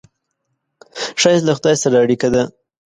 ښایست له خدای سره اړیکه ده